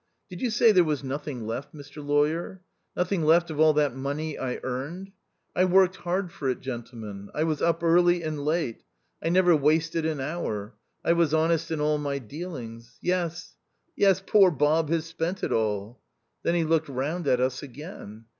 " Did you say there was nothing left, Mr Lawyer ; nothing left of all that money I earned ? I worked hard for it, gentlemen. I was up early and late. I never wasted an hour. I was honest in all my dealings. Yes, yes ; poor Bob has spent it all." Then he looked round at us again.